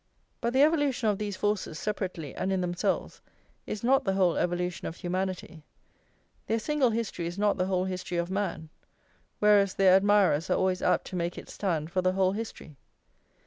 But the evolution of these forces, separately and in themselves, is not the whole evolution of humanity, their single history is not the whole history of man; whereas their admirers are always apt to make it stand for the whole history.